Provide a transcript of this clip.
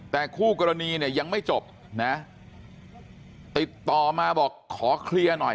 แต่คู่กรณีเนี่ยยังไม่จบนะติดต่อมาบอกขอเคลียร์หน่อย